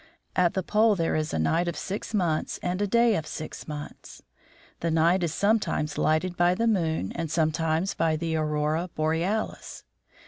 At the pole there is a night of six months and a day of six months. The night is sometimes lighted by the moon and sometimes by the aurora borealis.